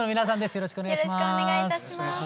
よろしくお願いします。